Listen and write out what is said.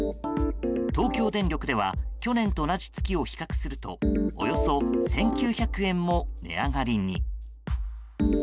東京電力では去年と同じ月を比較するとおよそ１９００円も値上がりに。